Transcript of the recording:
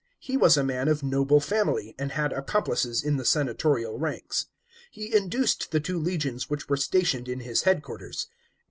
He was a man of noble family, and had accomplices in the senatorial ranks. He induced the two legions which were stationed in his headquarters (XI.